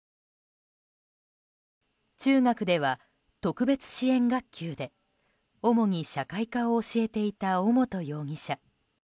中学では特別支援学級で主に社会科を教えていた尾本容疑者。